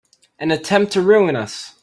An attempt to ruin us!